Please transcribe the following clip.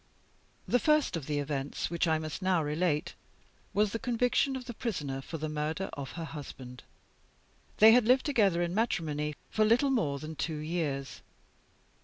The first of the events which I must now relate was the conviction of The Prisoner for the murder of her husband. They had lived together in matrimony for little more than two years.